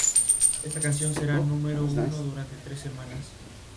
Es considerado como uno de los compositores más destacados de la música india.